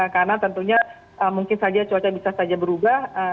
karena tentunya mungkin saja cuaca bisa saja berubah